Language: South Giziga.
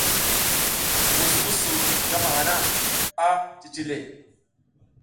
Wusnu su ngama hana a cici le.